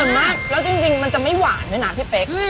มากแล้วจริงมันจะไม่หวานด้วยนะพี่เป๊ก